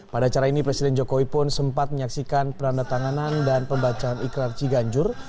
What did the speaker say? pada acara ini presiden jokowi pun sempat menyaksikan penandatanganan dan pembacaan ikrar ciganjur